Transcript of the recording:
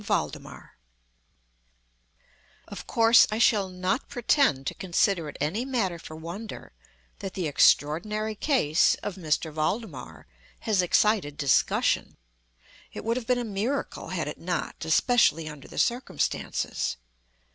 VALDEMAR Of course I shall not pretend to consider it any matter for wonder, that the extraordinary case of M. Valdemar has excited discussion. It would have been a miracle had it not—especially under the circumstances.